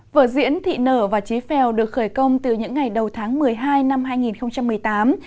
vợ diễn thị nở và trí pheo được khởi công từ những ngày đầu tháng một mươi hai năm hai nghìn một mươi tám